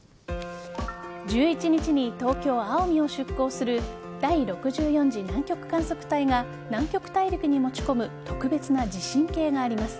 １１日に東京・青海を出港する第６４次南極観測隊が南極大陸に持ち込む特別な地震計があります。